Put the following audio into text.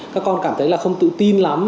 các con cảm thấy là không tự tin lắm